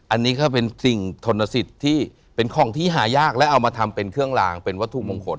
อันนี้ก็เป็นสิ่งทนสิทธิ์ที่เป็นของที่หายากและเอามาทำเป็นเครื่องลางเป็นวัตถุมงคล